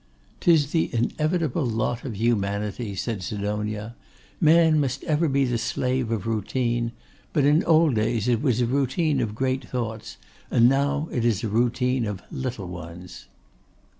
''Tis the inevitable lot of humanity,' said Sidonia. 'Man must ever be the slave of routine: but in old days it was a routine of great thoughts, and now it is a routine of little ones.